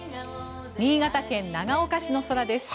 新潟県長岡市の空です。